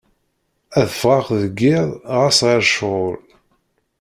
Ad fɣeɣ deg yiḍ ɣas ɣer cɣel.